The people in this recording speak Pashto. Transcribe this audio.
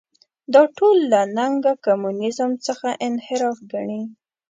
دا ټول له نګه کمونیزم څخه انحراف ګڼي.